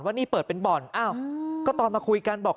ว่านี่เปิดเป็นบ่อนก็ตอนมาคุยกันบอก